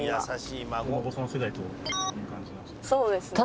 そうですね。